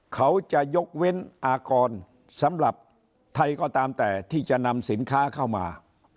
เขาจะยกเว้นอากรสำหรับไทยก็ตามแต่ที่จะนำสินค้าเข้ามา